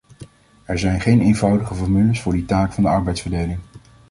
Er zijn geen eenvoudige formules voor die taak van de arbeidsverdeling.